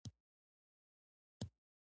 ستا ګوز لاره غلطه کړې ده او پورته ختلی.